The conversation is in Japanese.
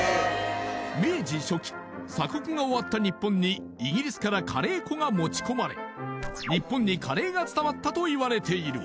明治初期鎖国が終わった日本にイギリスからカレー粉が持ち込まれ日本にカレーが伝わったといわれている